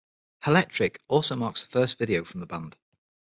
Hellectric also marks the first video from the band.